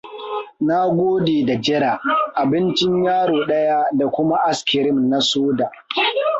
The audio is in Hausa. Na gode da jira. Abincin yaro ɗaya da kuma askirim na soda.